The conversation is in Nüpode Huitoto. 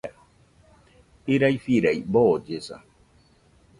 Irai firai, boollesa